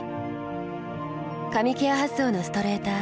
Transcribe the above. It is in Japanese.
髪ケア発想のストレーター。